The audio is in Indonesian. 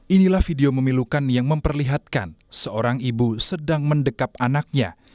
inilah video memilukan yang memperlihatkan seorang ibu sedang mendekap anaknya